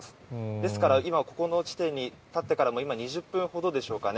ですから今、ここの地点に立ってからも今、２０分ほどでしょうかね。